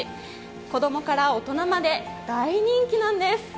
子供から大人まで大人気なんです。